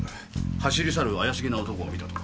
走り去る怪しげな男を見たと。